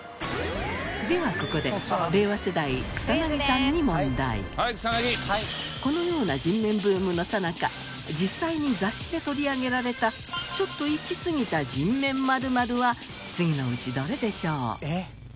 ではここでこのような人面ブームのさなか実際に雑誌で取り上げられたちょっといきすぎた人面○○は次のうちどれでしょう？